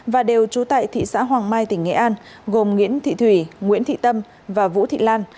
và đều trú tại thị xã hoàng mai tỉnh nghệ an gồm nguyễn thị thủy nguyễn thị tâm và vũ thị lan